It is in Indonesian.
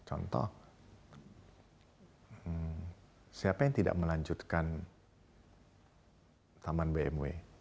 contoh siapa yang tidak melanjutkan taman bmw